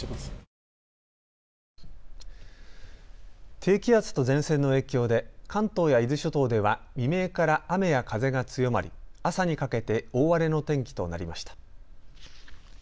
低気圧と前線の影響で関東や伊豆諸島では未明から雨や風が強まり朝にかけて大荒れの天気となりました。